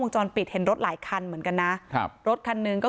จรปิดเห็นรถหลายคันเหมือนกันนะครับรถคันหนึ่งก็